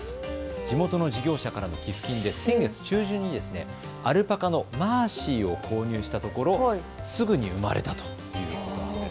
地元の事業者からの寄付金で先月中旬、アルパカのマーシーを購入したところすぐに生まれたということです。